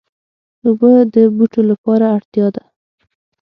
اوبه د بوټو لپاره اړتیا ده.